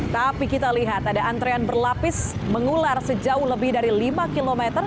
tapi kita lihat ada antrean berlapis mengular sejauh lebih dari lima km